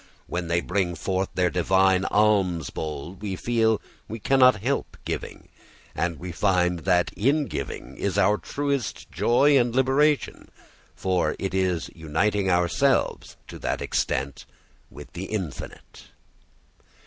When they bring forth their divine alms bowl we feel we cannot help giving, and we find that in giving is our truest joy and liberation, for it is uniting ourselves to that extent with the infinite.